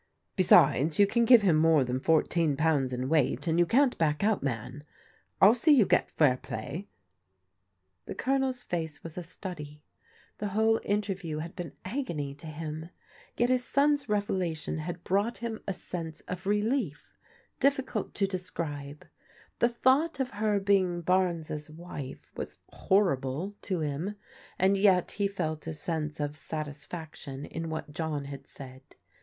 "Besides, 3fou can give him more than fourteen pounds in weighty and you can't back out, man t TU see you g^ i^t "^^ T 178 PEODIGAL DAUGHTERS The Colonel's face was a study. The whole interview had been agony to him. Yet his son's revelation had brought him a sense of relief difficult to describe. The thought of her being Barnes' wife was horrible to him, and yet he felt a sense of satisfaction in what John had said.